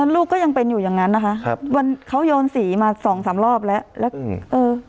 ลูกก็ยังเป็นอยู่อย่างงั้นนะคะครับวันเขาโยนสีมาสองสามรอบแล้วแล้วอืมเออ